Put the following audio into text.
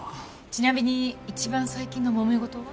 ちなみに一番最近の揉め事は？